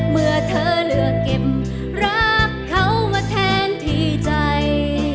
เมื่อเธอเลือกเก็บรักเขามาแทนที่ใจ